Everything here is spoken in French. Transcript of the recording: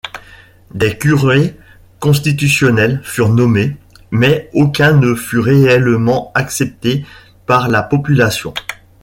Des curés constitutionnels furent nommés, mais aucun ne fut réellement accepté par la population.